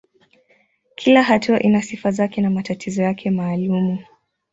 Kila hatua ina sifa zake na matatizo yake maalumu.